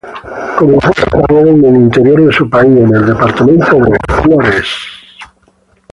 Comenzó su carrera en el interior de su país, en el departamento de Flores.